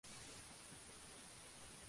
Es originario del África tropical occidental.